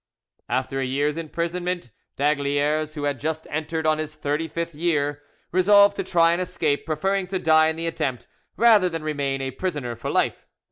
After a year's imprisonment, d'Aygaliers, who had just entered on his thirty fifth year, resolved to try and escape, preferring to die in the attempt rather than remain a prisoner for life.